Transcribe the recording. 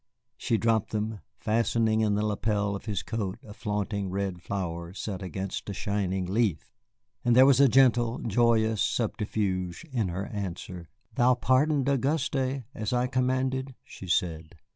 She dropped them, fastening in the lapel of his coat a flaunting red flower set against a shining leaf, and there was a gentle, joyous subterfuge in her answer. "Thou pardoned Auguste, as I commanded?" she said.